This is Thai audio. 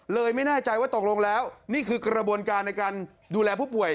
ไม่แน่ใจว่าตกลงแล้วนี่คือกระบวนการในการดูแลผู้ป่วย